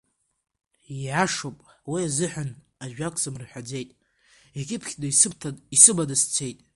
Ииашоуп, уи азыҳәан ажәак сыбмырҳәаӡеит, икьыԥхьны исыбҭан, исыманы сцеит.